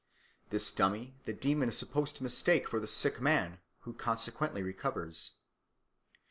This dummy the demon is supposed to mistake for the sick man, who consequently recovers.